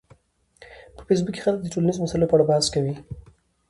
په فېسبوک کې خلک د ټولنیزو مسایلو په اړه بحث کوي